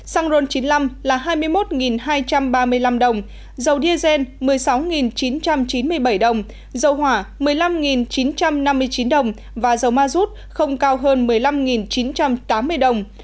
xăng ron chín mươi năm là hai mươi một hai trăm ba mươi năm đồng dầu diesel một mươi sáu chín trăm chín mươi bảy đồng dầu hỏa một mươi năm chín trăm năm mươi chín đồng và dầu ma rút không cao hơn một mươi năm chín trăm tám mươi đồng